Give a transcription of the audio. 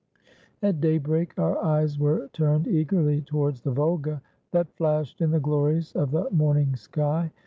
"At daybreak our eyes were turned eagerly towards the Volga, that flashed in the glories of the morning sky.